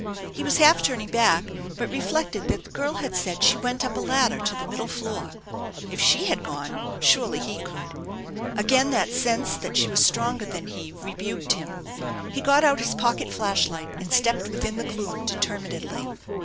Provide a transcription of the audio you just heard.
He was half turning back, but reflected that the girl had said she went up a ladder to the middle floor. If she had gone, surely he could. Again that sense that she was stronger than he rebuked him. He got out his pocket flash light and stepped within the gloom determinedly.